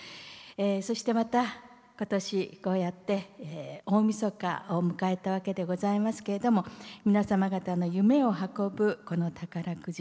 そしてまたことしこうやって大みそかを迎えたわけでございますけれど皆様方の夢を運ぶこの宝くじ。